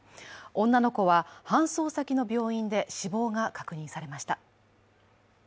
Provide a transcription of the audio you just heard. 女の子は搬送先の病院で死亡が確認されました。